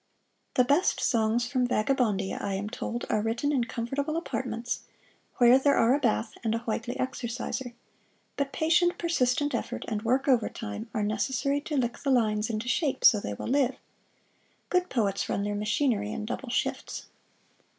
The best "Songs From Vagabondia," I am told, are written in comfortable apartments, where there are a bath and a Whitely Exerciser; but patient, persistent effort and work overtime are necessary to lick the lines into shape so they will live. Good poets run their machinery in double shifts.